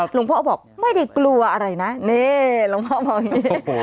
หลวงพ่อบอกไม่ได้กลัวอะไรนะนี่หลวงพ่อบอกอย่างนี้